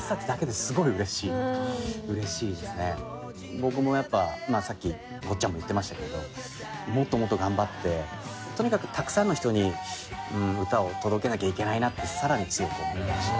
僕もやっぱまあさっきごっちゃんも言ってましたけれどもっともっと頑張ってとにかくたくさんの人に歌を届けなきゃいけないなってさらに強く思いました。